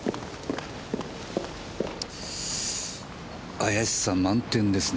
怪しさ満点ですね。